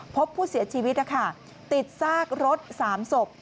พบผู้เสียชีวิตติดซากรถ๓ศพ